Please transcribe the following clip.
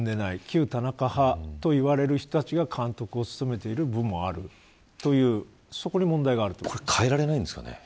旧田中派といわれる人たちが監督をしている部分もあるというそこに問題があるとみます。